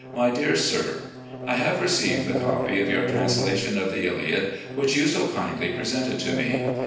" My Dear Sir: I have received the copy of your transla tion of the Iliad which you so kindly presented to me.